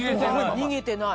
逃げてない！